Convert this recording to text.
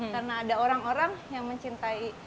karena ada orang orang yang mencintai